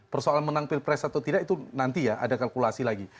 persoalan menang pilpres atau tidak itu nanti ya ada kalkulasi lagi